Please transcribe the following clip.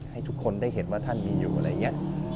ให้ทุกคนได้เห็นว่าท่านมีอยู่อะไรอย่างนี้